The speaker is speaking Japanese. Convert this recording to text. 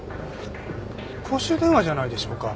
公衆電話じゃないでしょうか。